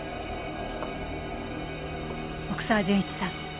奥沢純一さん